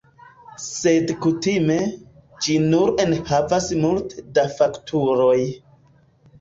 Sed kutime, ĝi nur enhavas multe da fakturoj.